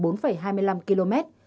công suất khai thác ba mươi km